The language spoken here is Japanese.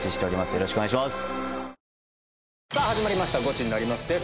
よろしくお願いします。